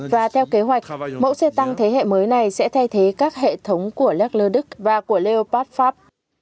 và theo kế hoạch mẫu xe tăng thế hệ mới này sẽ thay thế các hệ thống của leglo đức và của leopart pháp